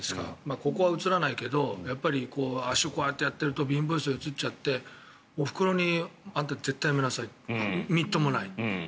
ここは映らないけど足をこうやってやっていると貧乏揺すり、映っちゃっておふくろにあんた、絶対にやめなさいみっともないって。